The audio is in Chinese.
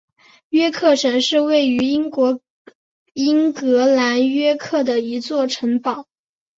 约克城是位于英国英格兰约克的一座城堡。